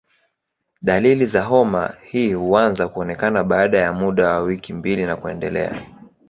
Dalili za homa hii huanza kuonekana baada ya muda wa wiki mbili na kuendelea.